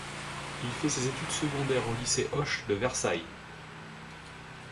Il fait ses études secondaires au Lycée Hoche de Versailles.